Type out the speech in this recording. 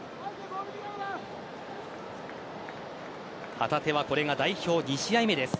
旗手はこれが代表２試合目です。